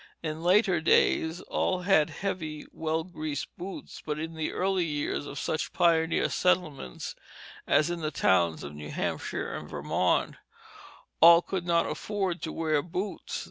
In later days all had heavy well greased boots, but in the early years of such pioneer settlements, as the towns of New Hampshire and Vermont, all could not afford to wear boots.